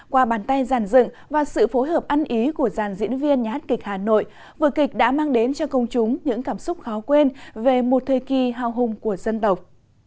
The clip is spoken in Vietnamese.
qua bàn tay giàn dựng và sự phối hợp ăn ý của giàn diễn viên nhà hát kịch hà nội vở kịch đã mang đến cho công chúng những cảm xúc khó quên về một thời kỳ hào hùng của dân tộc